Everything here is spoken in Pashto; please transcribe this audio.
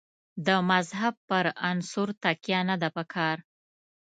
د مذهب پر عنصر تکیه نه ده په کار.